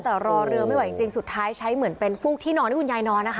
แต่รอเรือไม่ไหวจริงสุดท้ายใช้เหมือนเป็นฟูกที่นอนที่คุณยายนอนนะคะ